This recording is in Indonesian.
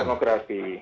tanpa disebarkan itu